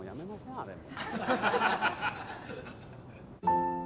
あれも。